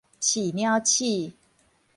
飼鳥鼠